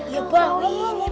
ya bal ini bal